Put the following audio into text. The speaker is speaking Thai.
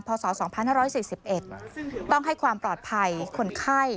ศ๒๕๔๑ต้องให้ความปลอดภัยคนไข้